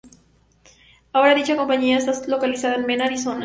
Ahora, dicha compañía está localizada en Mesa, Arizona.